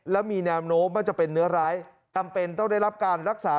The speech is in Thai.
และมีแนวโน้มว่าจะเป็นเนื้อร้ายจำเป็นต้องได้รับการรักษา